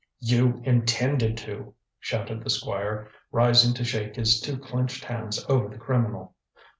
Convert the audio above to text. "You intended to!" shouted the Squire, rising to shake his two clenched hands over the criminal.